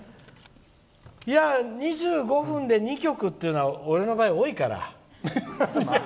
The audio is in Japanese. ２５分で２曲っていうのは俺の場合、多いから。